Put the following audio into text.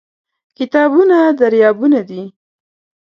کتابونه دریابونه دي.